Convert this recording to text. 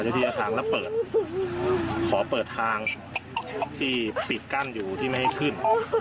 ทีละทางแล้วเปิดขอเปิดทางที่ปิดกั้นอยู่ที่ไม่ให้ขึ้น